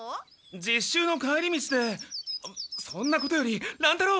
実習の帰り道でそんなことより乱太郎！